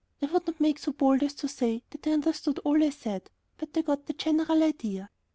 I would not make so bold as to say that they understood all I said, but they got the general idea.